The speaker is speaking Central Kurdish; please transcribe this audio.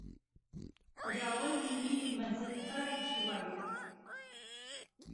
خوداوهندی میری مهزن کارێکی وای کرد